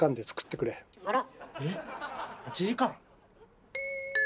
８時間？